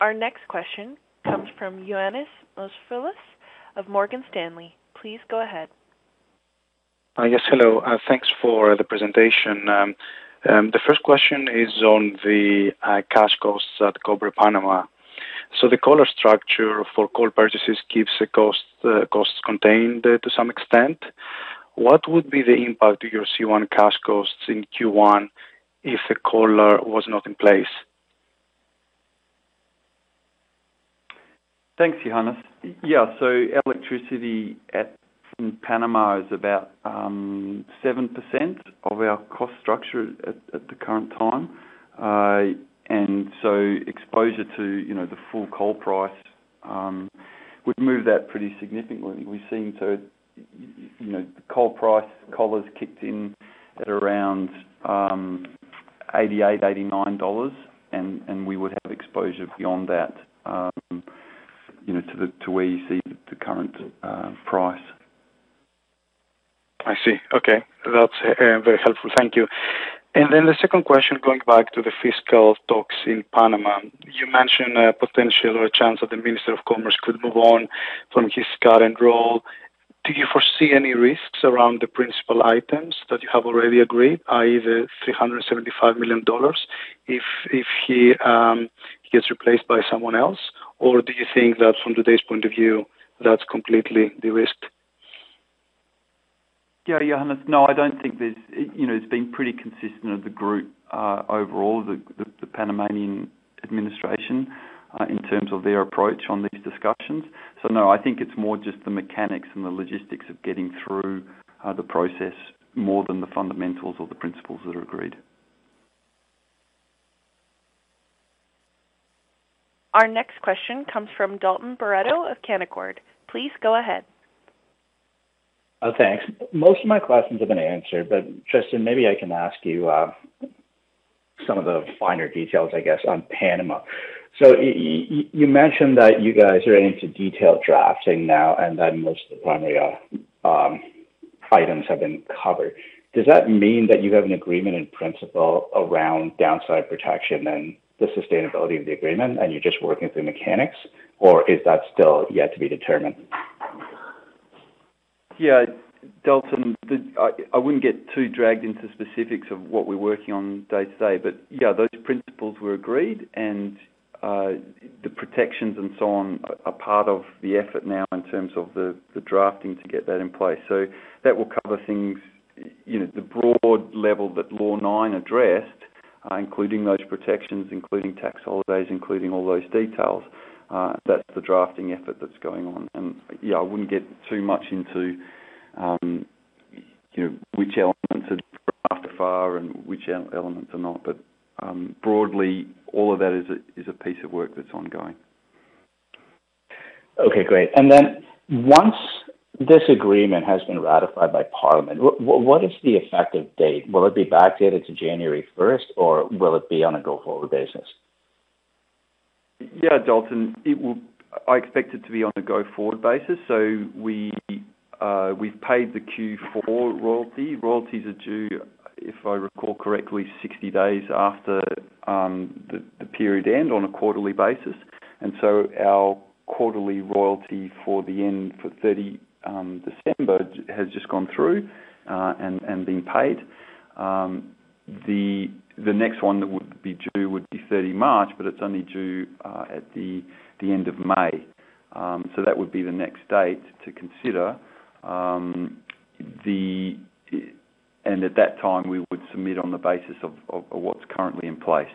Our next question comes from Ioannis Masvoulas of Morgan Stanley. Please go ahead. Yes, hello. Thanks for the presentation. The first question is on the cash costs at Cobre Panama. The collar structure for coal purchases keeps the costs contained to some extent. What would be the impact to your C1 cash costs in Q1 if the collar was not in place? Thanks, Ioannis. Yeah, so electricity at from Panama is about 7% of our cost structure at the current time. Exposure to you know the full coal price would move that pretty significantly. We seem to you know the coal price collar's kicked in at around $88-89 and we would have exposure beyond that you know to where you see the current price. I see. Okay. That's very helpful. Thank you. The second question, going back to the fiscal talks in Panama. You mentioned a potential or a chance that the Minister of Commerce could move on from his current role. Do you foresee any risks around the principal items that you have already agreed, i.e., the $375 million if he gets replaced by someone else? Or do you think that from today's point of view, that's completely de-risked? Yeah, Ioannis. No, I don't think there's you know, it's been pretty consistent of the group overall, the Panamanian administration in terms of their approach on these discussions. No, I think it's more just the mechanics and the logistics of getting through the process more than the fundamentals or the principles that are agreed. Our next question comes from Dalton Baretto of Canaccord. Please go ahead. Oh, thanks. Most of my questions have been answered, but Tristan, maybe I can ask you some of the finer details, I guess, on Panama. You mentioned that you guys are into detailed drafting now, and that most of the primary items have been covered. Does that mean that you have an agreement in principle around downside protection and the sustainability of the agreement, and you're just working through mechanics? Or is that still yet to be determined? Yeah, Dalton, I wouldn't get too dragged into specifics of what we're working on day to day. Yeah, those principles were agreed and the protections and so on are part of the effort now in terms of the drafting to get that in place. That will cover things, you know, the broad level that Law 9 addressed, including those protections, including tax holidays, including all those details. That's the drafting effort that's going on. Yeah, I wouldn't get too much into, you know, which elements are drafted so far and which elements are not. Broadly, all of that is a piece of work that's ongoing. Okay, great. Once this agreement has been ratified by Parliament, what is the effective date? Will it be backdated to January first or will it be on a go-forward basis? Yeah, Dalton, I expect it to be on a go-forward basis. We have paid the Q4 royalty. Royalties are due, if I recall correctly, 60 days after the period end on a quarterly basis. Our quarterly royalty for the end of 31st December has just gone through and been paid. The next one that would be due would be 31st March, but it's only due at the end of May. That would be the next date to consider. At that time, we would submit on the basis of what's currently in place,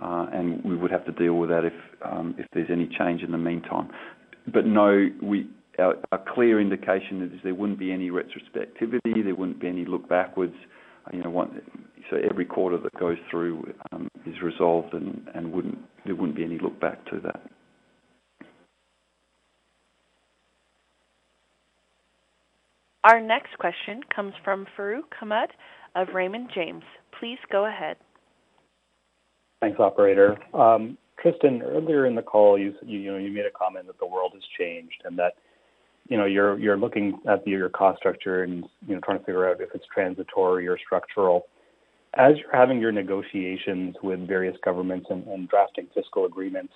and we would have to deal with that if there's any change in the meantime. No, our clear indication is there wouldn't be any retroactivity, there wouldn't be any look backwards. You know, every quarter that goes through is resolved and there wouldn't be any look back to that. Our next question comes from Farooq Hamed of Raymond James. Please go ahead. Thanks, operator. Tristan, earlier in the call you know, you made a comment that the world has changed and that, you know, you're looking at your cost structure and, you know, trying to figure out if it's transitory or structural. As you're having your negotiations with various governments and drafting fiscal agreements,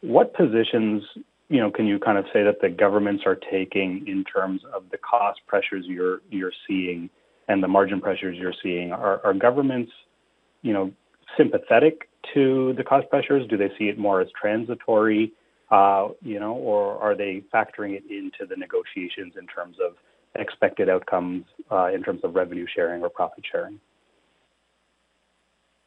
what positions, you know, can you kind of say that the governments are taking in terms of the cost pressures you're seeing and the margin pressures you're seeing? Are governments, you know, sympathetic to the cost pressures? Do they see it more as transitory, you know, or are they factoring it into the negotiations in terms of expected outcomes, in terms of revenue sharing or profit sharing?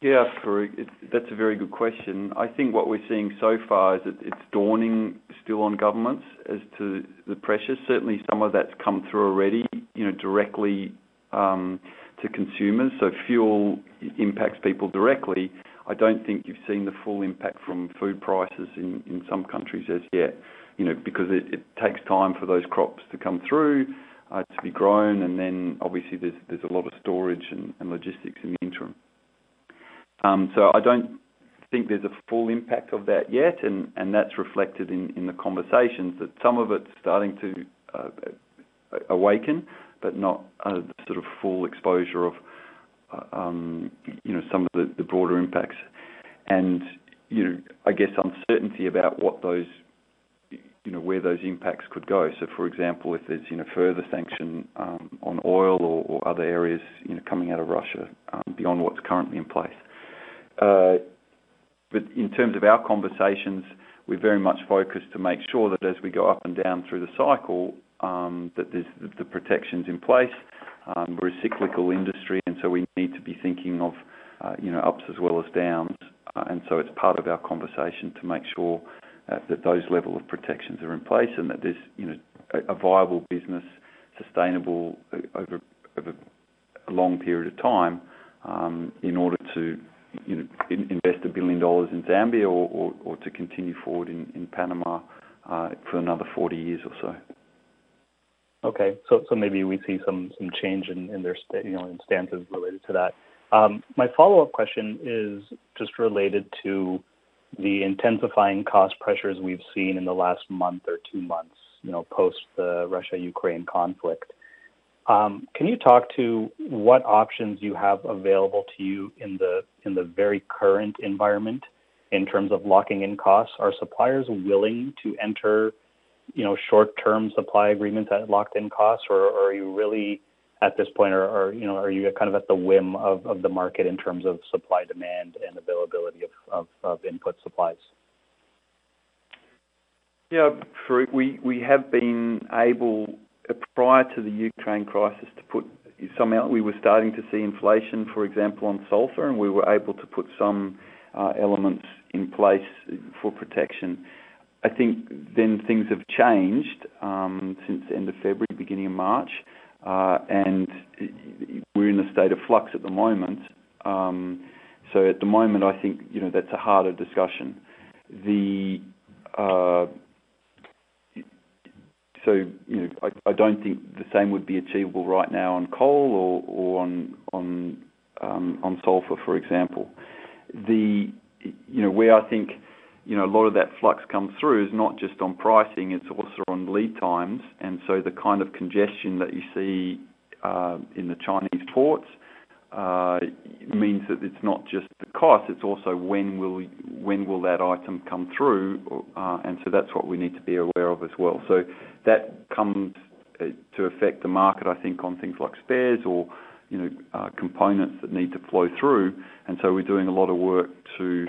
Yeah, Farooq. That's a very good question. I think what we're seeing so far is that it's dawning still on governments as to the pressure. Certainly, some of that's come through already, you know, directly to consumers. So fuel impacts people directly. I don't think you've seen the full impact from food prices in some countries as yet. You know, because it takes time for those crops to come through to be grown, and then obviously, there's a lot of storage and logistics in the interim. So I don't think there's a full impact of that yet, and that's reflected in the conversations. That some of it's starting to awaken, but not a sort of full exposure of you know, some of the broader impacts. You know, I guess uncertainty about what those, you know, where those impacts could go. For example, if there's, you know, further sanctions on oil or other areas, you know, coming out of Russia, beyond what's currently in place. In terms of our conversations, we're very much focused to make sure that as we go up and down through the cycle, that there's protections in place. We're a cyclical industry, and so we need to be thinking of, you know, ups as well as downs. It's part of our conversation to make sure that those levels of protections are in place and that there's, you know, a viable business, sustainable over a long period of time, in order to, you know, invest $1 billion in Zambia or to continue forward in Panama for another 40 years or so. Okay. Maybe we see some change in their stances related to that. My follow-up question is just related to the intensifying cost pressures we've seen in the last month or two months, you know, post the Russia-Ukraine conflict. Can you talk to what options you have available to you in the very current environment in terms of locking in costs? Are suppliers willing to enter, you know, short-term supply agreements at locked-in costs? Or are you really at this point, or, you know, are you kind of at the whim of the market in terms of supply, demand, and availability of input supplies? We have been able, prior to the Ukraine crisis, to put some out. We were starting to see inflation, for example, on sulfur, and we were able to put some elements in place for protection. I think then things have changed since the end of February, beginning of March, and we're in a state of flux at the moment. At the moment, I think, you know, that's a harder discussion. You know, I don't think the same would be achievable right now on coal or on sulfur, for example. You know, where I think, you know, a lot of that flux comes through is not just on pricing, it's also on lead times. The kind of congestion that you see in the Chinese ports means that it's not just the cost, it's also when will that item come through. That's what we need to be aware of as well. That comes to affect the market, I think, on things like spares or, you know, components that need to flow through. We're doing a lot of work to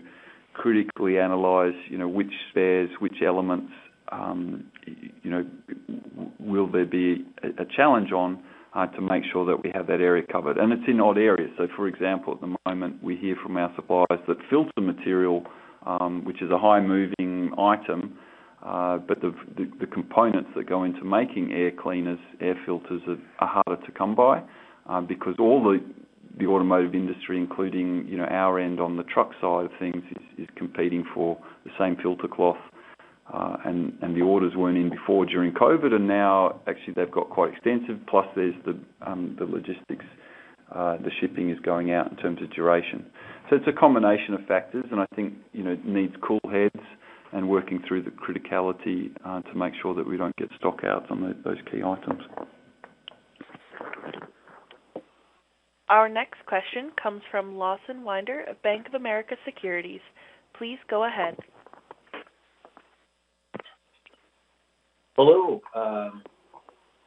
critically analyze, you know, which spares, which elements, you know, will there be a challenge on, to make sure that we have that area covered. It's in odd areas. For example, at the moment, we hear from our suppliers that filter material, which is a high moving item, but the components that go into making air cleaners, air filters are harder to come by, because all the automotive industry, including, you know, our end on the truck side of things, is competing for the same filter cloth. And the orders weren't in before during COVID, and now actually they've got quite extensive. Plus there's the logistics, the shipping is going out in terms of duration. It's a combination of factors, and I think, you know, it needs cool heads and working through the criticality, to make sure that we don't get stock outs on those key items. Our next question comes from Lawson Winder of Bank of America Securities. Please go ahead. Hello.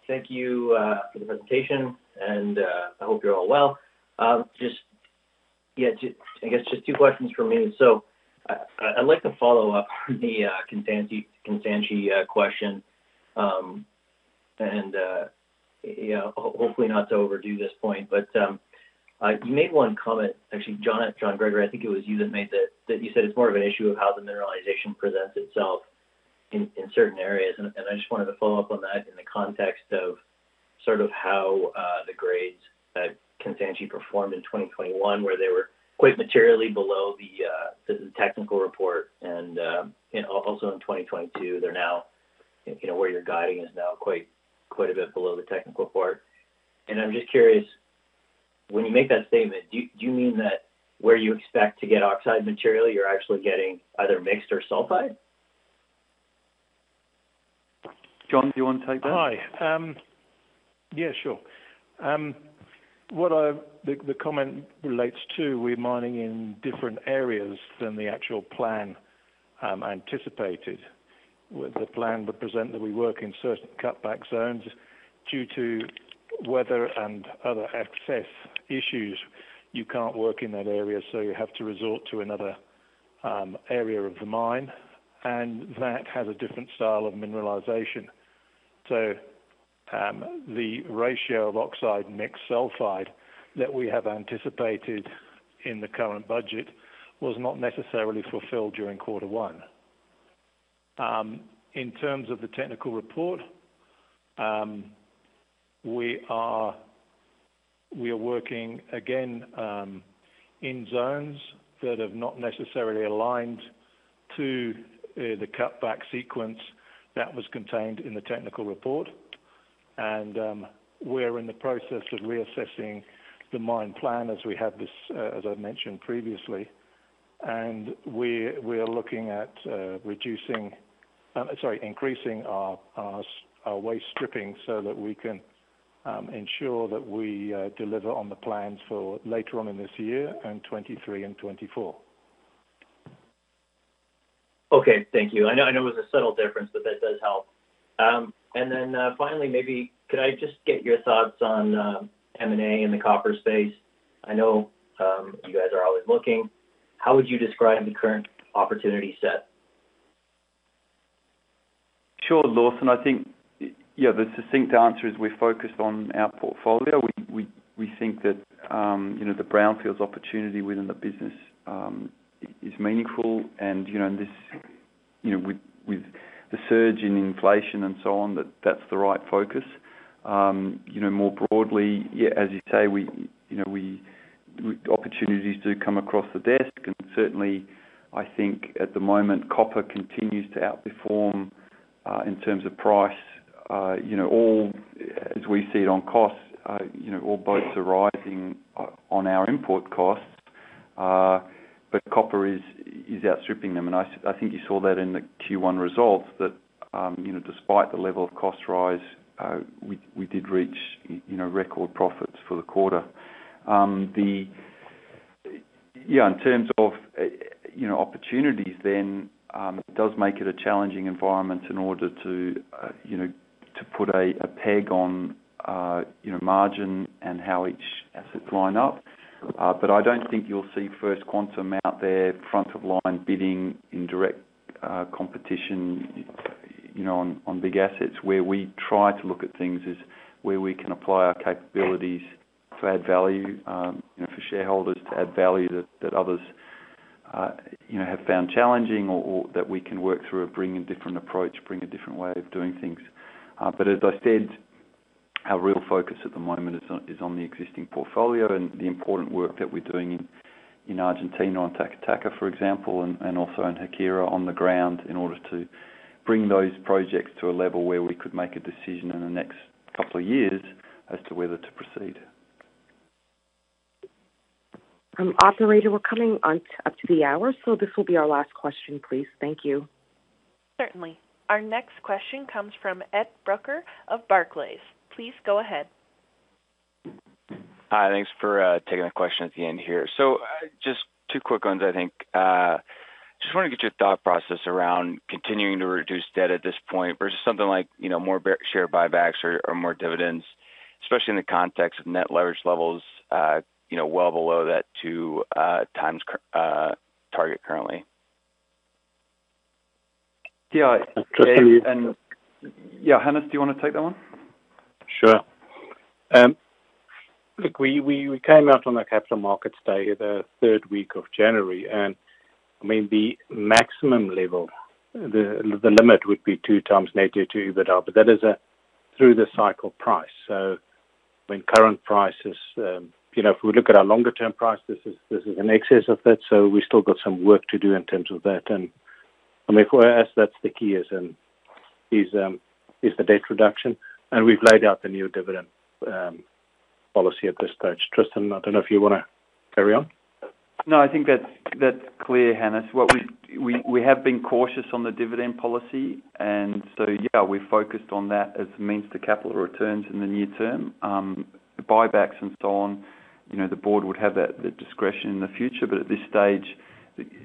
Thank you for the presentation, and I hope you're all well. I guess just two questions from me. I'd like to follow up on the Kansanshi, Constancia question. You know, hopefully not to overdo this point, but you made one comment, actually, John Gregory, I think it was you that made that you said it's more of an issue of how the mineralization presents itself in certain areas. I just wanted to follow up on that in the context of sort of how the grades at Constancia performed in 2021, where they were quite materially below the technical report. Also in 2022, they're now, you know, where you're guiding is now quite a bit below the technical report. I'm just curious, when you make that statement, do you mean that where you expect to get oxide material, you're actually getting either mixed or sulfide? John, do you wanna take that? Hi. Yeah, sure. What the comment relates to, we're mining in different areas than the actual plan anticipated. With the plan, but presently we work in certain cutback zones due to weather and other access issues. You can't work in that area, so you have to resort to another area of the mine, and that has a different style of mineralization. So, the ratio of oxide mixed sulfide that we have anticipated in the current budget was not necessarily fulfilled during quarter one. In terms of the technical report, we are working again in zones that have not necessarily aligned to the cutback sequence that was contained in the technical report. We're in the process of reassessing the mine plan as we have this, as I mentioned previously. We are looking at increasing our waste stripping so that we can ensure that we deliver on the plans for later on in this year and 2023 and 2024. Okay. Thank you. I know it was a subtle difference, but that does help. Finally, maybe could I just get your thoughts on M&A in the copper space? I know you guys are always looking. How would you describe the current opportunity set? Sure, Lawson. I think, yeah, the succinct answer is we're focused on our portfolio. We think that, you know, the brownfields opportunity within the business is meaningful. You know, this, you know, with the surge in inflation and so on, that's the right focus. You know, more broadly, yeah, as you say, we, you know, opportunities do come across the desk. Certainly, I think at the moment, copper continues to outperform in terms of price, you know, all as we see it on costs, you know, all boats are rising on our import costs. But copper is outstripping them. I think you saw that in the Q1 results that, you know, despite the level of cost rise, we did reach, you know, record profits for the quarter. Yeah, in terms of, you know, opportunities then, it does make it a challenging environment in order to, you know, to put a peg on, you know, margin and how each assets line up. But I don't think you'll see First Quantum out there front of line bidding in direct competition, you know, on big assets. Where we try to look at things is where we can apply our capabilities to add value, you know, for shareholders to add value that others, you know, have found challenging or that we can work through or bring a different approach, bring a different way of doing things. As I said, our real focus at the moment is on the existing portfolio and the important work that we're doing in Argentina on Taca Taca, for example, and also in Haquira on the ground in order to bring those projects to a level where we could make a decision in the next couple of years as to whether to proceed. Operator, we're coming on up to the hour, so this will be our last question, please. Thank you. Certainly. Our next question comes from Edward Brucker of Barclays. Please go ahead. Hi. Thanks for taking a question at the end here. Just two quick ones, I think. Just wanna get your thought process around continuing to reduce debt at this point versus something like, you know, more share buybacks or more dividends, especially in the context of net leverage levels, you know, well below that 2x target currently. Yeah. Yeah, Hannes, do you wanna take that one? Sure. Look, we came out on the capital markets day the third week of January. I mean, the maximum level, the limit would be two times net debt to EBITDA, but that is a through-the-cycle price. When current prices, you know, if we look at our longer term price, this is in excess of that, so we still got some work to do in terms of that. I mean, for us, that's the key is the debt reduction. We've laid out the new dividend policy at this stage. Tristan, I don't know if you wanna carry on. No, I think that's clear, Hannes. What we have been cautious on the dividend policy, and so, yeah, we're focused on that as a means to capital returns in the near term. The buybacks and so on, you know, the board would have that, the discretion in the future, but at this stage,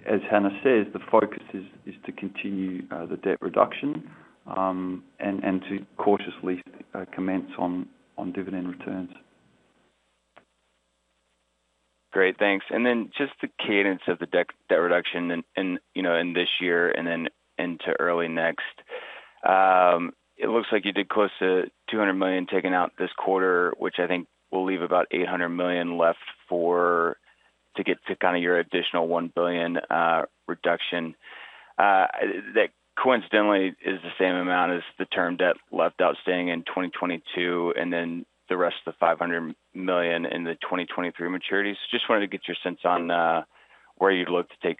as Hannes says, the focus is to continue the debt reduction, and to cautiously commence on dividend returns. Great. Thanks. Then just the cadence of the debt reduction in, you know, in this year and then into early next. It looks like you did close to $200 million taken out this quarter, which I think will leave about $800 million left for, to get to kinda your additional $1 billion, reduction. That coincidentally is the same amount as the term debt left outstanding in 2022, and then the rest of the $500 million in the 2023 maturities. Just wanted to get your sense on, where you'd look to take,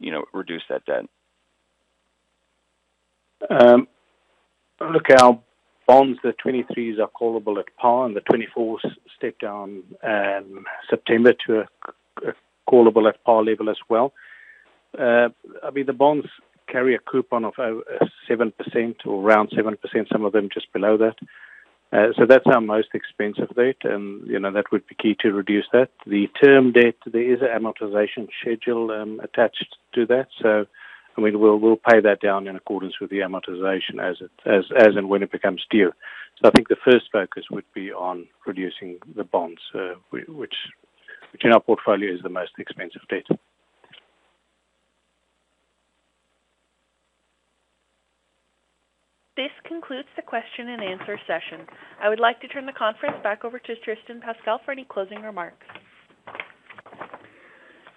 you know, reduce that debt. Look, our bonds, the 2023s are callable at par, and the 2024s step down in September to a callable at par level as well. I mean, the bonds carry a coupon of 7% or around 7%, some of them just below that. That's our most expensive debt and, you know, that would be key to reduce that. The term debt, there is an amortization schedule attached to that. I mean, we'll pay that down in accordance with the amortization as and when it becomes due. I think the first focus would be on reducing the bonds, which in our portfolio is the most expensive debt. This concludes the question and answer session. I would like to turn the conference back over to Tristan Pascall for any closing remarks.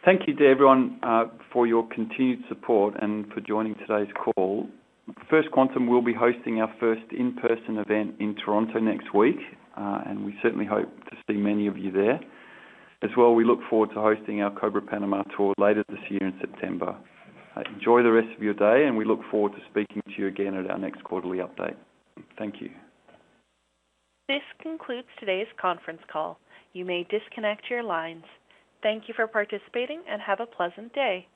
Thank you to everyone, for your continued support and for joining today's call. First Quantum will be hosting our first in-person event in Toronto next week, and we certainly hope to see many of you there. As well, we look forward to hosting our Cobre Panama tour later this year in September. Enjoy the rest of your day, and we look forward to speaking to you again at our next quarterly update. Thank you. This concludes today's conference call. You may disconnect your lines. Thank you for participating, and have a pleasant day.